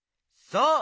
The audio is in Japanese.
そう！